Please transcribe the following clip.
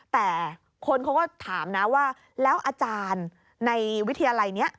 แต่คนเขาก็ถามนะว่าแล้วอาจารย์ในวิทยาลัยนี้